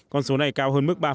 con số này cao hơn mức ba tám